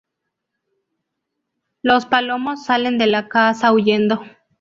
Los Palomos salen de la casa huyendo.